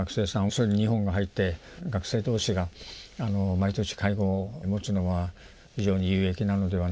それに日本が入って学生同士が毎年会合を持つのは非常に有益なのではないかという。